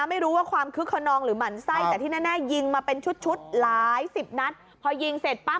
ไม่รู้ว่าความคึกขนองหรือหมั่นไส้แต่ที่แน่ยิงมาเป็นชุดชุดหลายสิบนัดพอยิงเสร็จปั๊บ